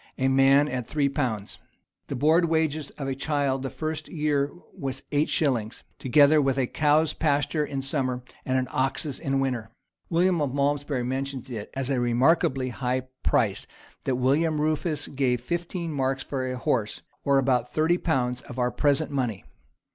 A man at three pounds.[] The board wages of a child the first year was eight shillings, together with a cow's pasture in summer, and an ox's in winter.[] William of Malmsbury mentions it as a remarkably high price that William Rufus gave fifteen marks for a horse, or about thirty pounds of our present money.